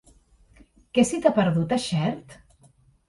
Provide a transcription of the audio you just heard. Què se t'hi ha perdut, a Xert?